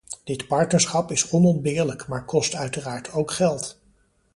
Dit partnerschap is onontbeerlijk, maar kost uiteraard ook geld.